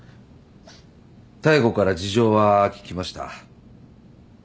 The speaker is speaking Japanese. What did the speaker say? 妙子から事情は聞きました。